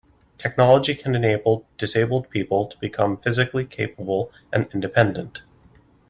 Technology can enable disabled people to become physically capable and independent.